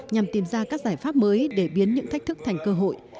nhằm tìm ra các giải pháp mới để biến những thách thức thành cơ hội